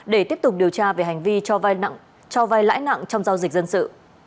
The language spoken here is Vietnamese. để tiếp tục điều tra về hành vi cho vai lãi nặng trong giao dịch dân sự